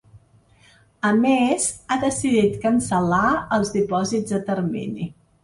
A més, ha decidit cancel·lar els dipòsits a termini.